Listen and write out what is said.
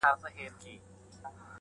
جانان ته تر منزله رسېدل خو تکل غواړي،